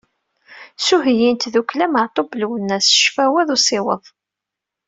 S uheyyi n tdukkla Meɛtub Lwennas Ccfawa d Usiweḍ.